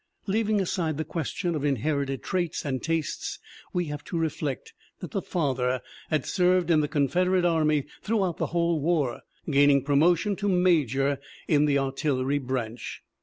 Leaving aside the question of inherited traits and tastes we have to reflect that the father had served in the Confederate army throughout the whole war, gaining promotion to major in the artillery branch.